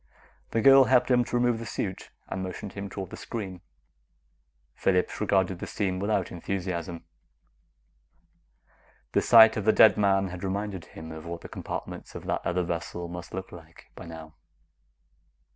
The girl helped him to remove the suit and motioned him toward the screen. Phillips regarded the scene without enthusiasm. The sight of the dead man had reminded him of what the compartments of that other vessel must look like by now.